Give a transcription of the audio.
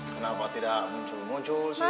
kenapa tidak muncul muncul